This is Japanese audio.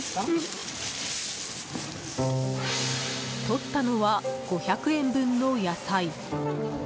取ったのは、５００円分の野菜。